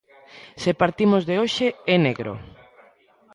Se partimos de hoxe é negro.